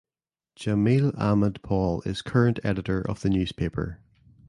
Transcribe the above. Jameel Ahmad Paul is current editor of the newspaper.